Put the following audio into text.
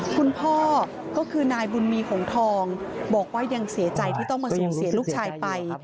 คุณพ่อก็คือนายบุญมีหงทองบอกว่ายังเสียใจที่ต้องมาสูญเสียลูกชายไป